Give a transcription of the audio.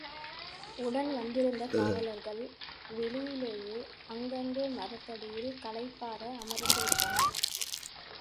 உடன் வந்திருந்த காவலர்கள் வெளியிலேயே அங்கங்கே மரத்தடியில் களைப்பாற அமர்ந்துவிட்டனர்.